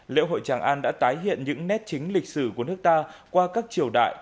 lễ hội tràng an đã tái hiện những nét chính lịch sử của nước ta qua các triều đại